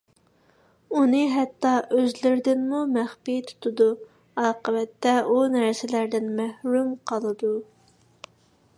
ئۇنى ھەتتا ئۆزلىرىدىنمۇ مەخپى تۇتىدۇ. ئاقىۋەتتە ئۇ نەرسىلەردىن مەھرۇم قالىدۇ.